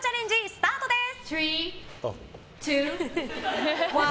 スタートです。